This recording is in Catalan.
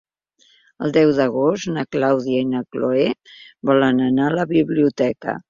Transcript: El deu d'agost na Clàudia i na Cloè volen anar a la biblioteca.